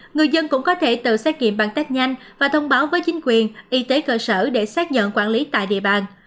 người dân cũng có thể tự xét nghiệm bằng test nhanh và thông báo với chính quyền y tế cơ sở để xác nhận quản lý tại địa bàn